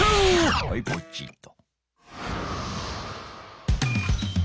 はいポチッと。